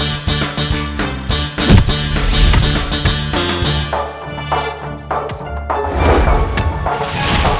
iya keces keces